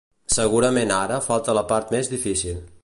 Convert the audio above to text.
Segurament ara falta la part més difícil.